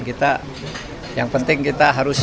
kita yang penting kita harus